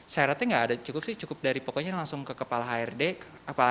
saya rata gak ada cukup sih cukup dari pokoknya langsung ke kepala hati